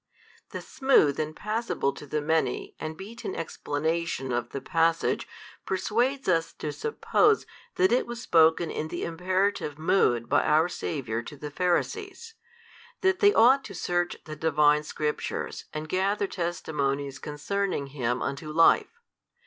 The smooth, and passable to the many, and beaten explanation of the passage persuades us to suppose that it was spoken in the imperative mood by our Saviour to the Pharisees, that they ought to search the Divine Scriptures and gather testimonies concerning Him unto life.